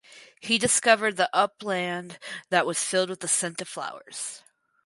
He discovered the upland that was filled with the scent of flowers.